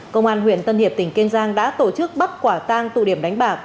công an huyện tân hiệp tỉnh kiên giang đã tổ chức bắt quả tang tụ điểm đánh bạc